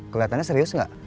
keliatannya serius gak